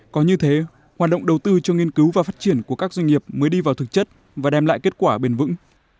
có như thế hoạt động đầu tư cho nghiên cứu và phát triển của các doanh nghiệp mới đi vào thực chất và đem lại kết quả bền vững